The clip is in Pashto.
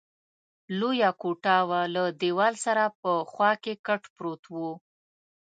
لویه کوټه وه، له دېوال سره په خوا کې کټ پروت وو.